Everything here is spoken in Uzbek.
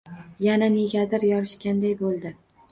Yana negadir yorishganday bo‘ldi.